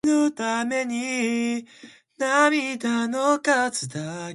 These two inscriptions have been dated to the mid ninth century.